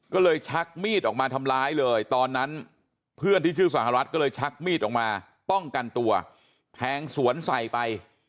ก็เลยชักมีดออกมาทำร้ายเลยตอนนั้นเพื่อนที่ชื่อสหรัฐก็เลยชักมีดออกมาป้องกันตัวแทงสวนใส่ไป